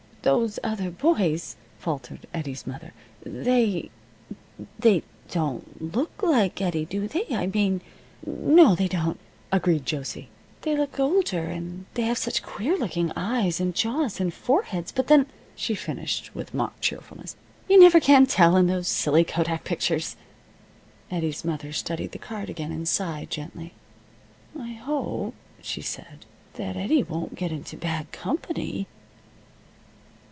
"Those other boys," faltered Eddie's mother, "they they don't look like Eddie, do they? I mean " "No, they don't," agreed Josie. "They look older, and they have such queer looking eyes, and jaws, and foreheads. But then," she finished, with mock cheerfulness, "you can never tell in those silly kodak pictures." Eddie's mother studied the card again, and sighed gently. "I hope," she said, "that Eddie won't get into bad company."